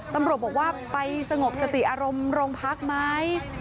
ตำรวจบอกว่าไปสงบสติอารมณ์โรงพักไหม